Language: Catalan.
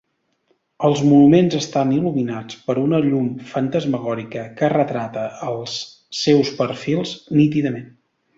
Els monuments estan il·luminats per una llum fantasmagòrica que retrata els seus perfils nítidament.